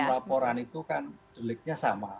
ya laporan laporan itu kan deliknya sama